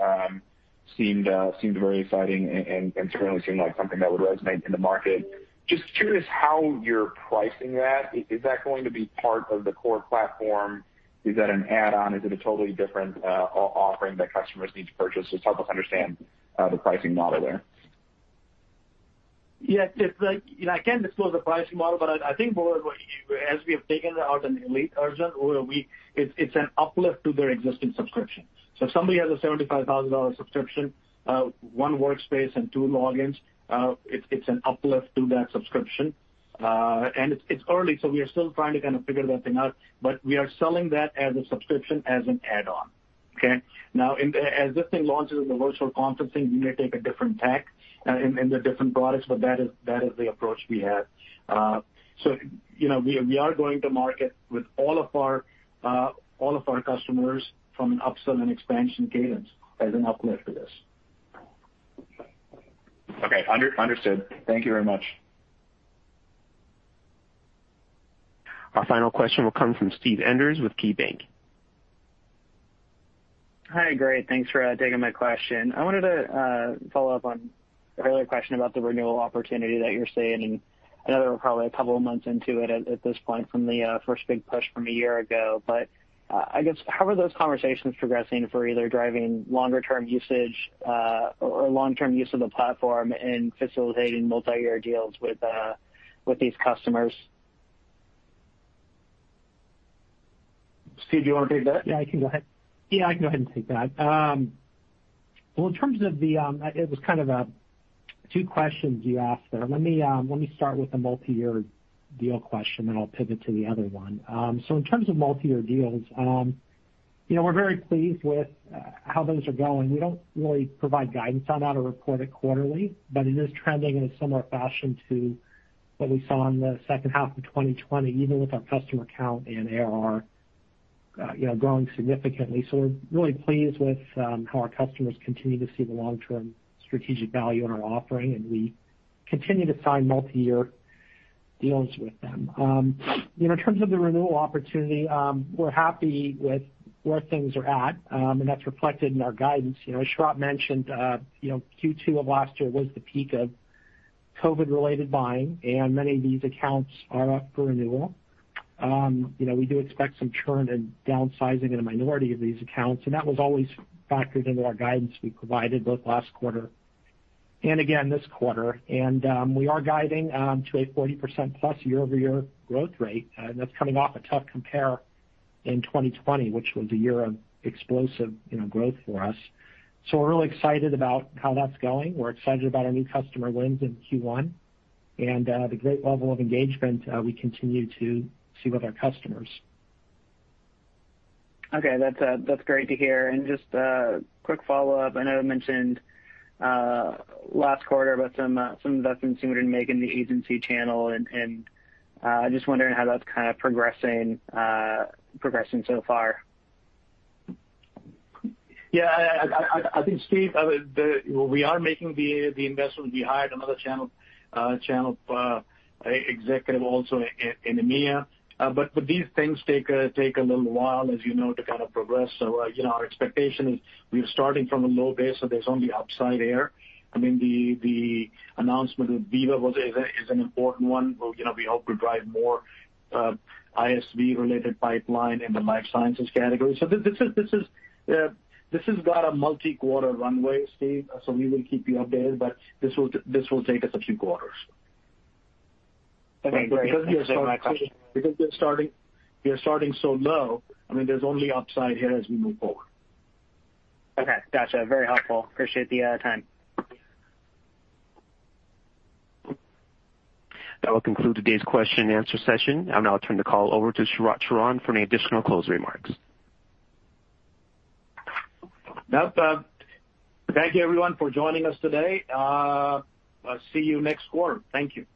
seemed very exciting and certainly seemed like something that would resonate in the market. Just curious how you're pricing that. Is that going to be part of the core platform? Is that an add-on? Is it a totally different offering that customers need to purchase? Just help us understand the pricing model there. Yes. I can't disclose the pricing model, but I think as we have taken out an Elite, Arjun, it's an uplift to their existing subscription. If somebody has a $75,000 subscription, one workspace and two logins, it's an uplift to that subscription. It's early, we are still trying to kind of figure that thing out. We are selling that as a subscription, as an add-on, okay? Now, as this thing launches in the virtual conferencing, we may take a different tack in the different products, that is the approach we have. So you know, we are going to market with all of our customers from an upsell and expansion cadence as an uplift for this. Okay. Understood. Thank you very much. Our final question will come from Steve Enders with KeyBanc. Hi, great. Thanks for taking my question. I wanted to follow up on an earlier question about the renewal opportunity that you're seeing. I know that we're probably a couple of months into it at this point from the first big push from a year ago. I guess how are those conversations progressing for either driving longer-term usage or long-term use of the platform in facilitating multi-year deals with these customers? Steve, do you want to take that? Yeah, I can go ahead and take that. Well, it was kind of two questions you asked there. Let me start with the multi-year deal question, then I'll pivot to the other one. In terms of multi-year deals, we're very pleased with how those are going. We don't really provide guidance on that or report it quarterly, but it is trending in a similar fashion to what we saw in the second half of 2020, even with our customer count and ARR growing significantly. We're really pleased with how our customers continue to see the long-term strategic value in our offering, and we continue to sign multi-year deals with them. In terms of the renewal opportunity, we're happy with where things are at, and that's reflected in our guidance. As Sharat mentioned, Q2 of last year was the peak of COVID-related buying, and many of these accounts are up for renewal. We do expect some churn and downsizing in a minority of these accounts, that was always factored into our guidance we provided both last quarter and again this quarter. We are guiding to a 40%+ year-over-year growth rate, that's coming off a tough compare in 2020, which was a year of explosive growth for us. We're really excited about how that's going. We're excited about our new customer wins in Q1 and the great level of engagement we continue to see with our customers. Okay. That's great to hear. Just a quick follow-up. I know I mentioned last quarter about some investments you would make in the agency channel, and just wondering how that's kind of progressing so far. I think, Steve, we are making the investment. We hired another channel executive also in EMEA. But these things take a little while, as you know, to kind of progress. Our expectation is we are starting from a low base, so there's only upside there. The announcement with Veeva is an important one. We hope to drive more ISV-related pipeline in the life sciences category. This has got a multi-quarter runway, Steve, so we will keep you updated, but this will take us a few quarters. Okay, great. Thanks so much for that question. Because we are starting so low, there's only upside here as we move forward. Okay, gotcha. Very helpful. Appreciate the time. That will conclude today's question and answer session. I'll now turn the call over to Sharat Sharan for any additional closing remarks. Thank you everyone for joining us today. See you next quarter. Thank you.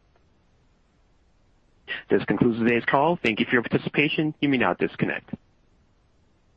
This concludes today's call. Thank you for your participation. You may now disconnect.